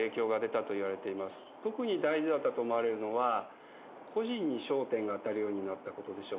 特に大事だったと思われるのは個人に焦点が当たるようになったことでしょうか。